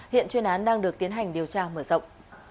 hiện chuyên án đang được tiến hành điều tra mở rộng